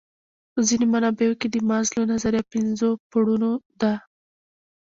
په ځینو منابعو کې د مازلو نظریه پنځو پوړونو ده.